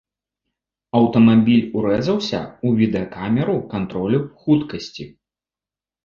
Аўтамабіль урэзаўся ў відэакамеру кантролю хуткасці.